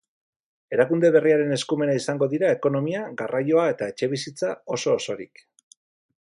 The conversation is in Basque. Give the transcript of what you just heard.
Erakunde berriaren eskumena izango dira ekonomia, garraioa eta etxebizitza oso osorik.